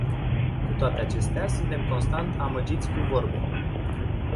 Cu toate acestea, suntem constant amăgiți cu vorbe.